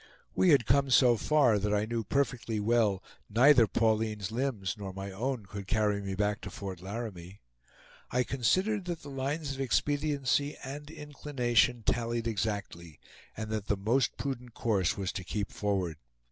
We had come so far that I knew perfectly well neither Pauline's limbs nor my own could carry me back to Fort Laramie. I considered that the lines of expediency and inclination tallied exactly, and that the most prudent course was to keep forward.